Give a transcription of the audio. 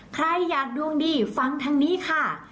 ใครอยากดวงดีฟังทางนี้ค่ะ